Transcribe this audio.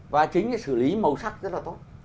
và chính là xử lý màu sắc rất là tốt